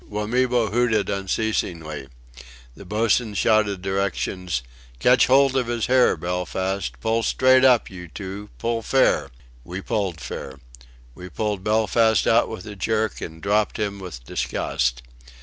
Wamibo hooted unceasingly. The boatswain shouted directions: "Catch hold of his hair, Belfast; pull straight up, you two!... Pull fair!" We pulled fair. We pulled Belfast out with a jerk, and dropped him with disgust.